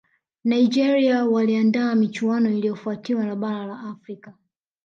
nigeria waliandaa michuano iliyofuatia ya bara la afrika